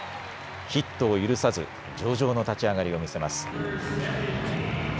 ヒットを許さず上々の立ち上がりを見せます。